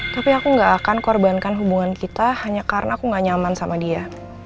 tapi aku gak akan korbankan hubungan kita hanya karena aku gak nyaman sama dia